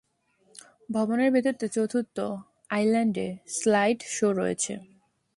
ভবনের ভেতরে চতুর্থ "আইল্যান্ডে" স্লাইড শো রয়েছে।